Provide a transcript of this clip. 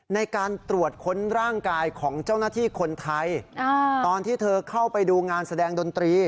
ในการตรวจค้นร่างกายของเจ้าหน้าที่คนไทยตอนที่เธอเข้าไปดูงานแสดงดนตรี